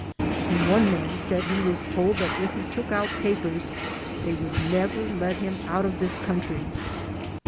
20 THE DEPORTATION CASES one man said he was told that if he took out papers thej would never let him out of this country.